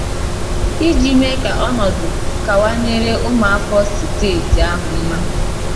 iji mee ka ọnọdụ kawanyere ụmụafọ steeti ahụ mma.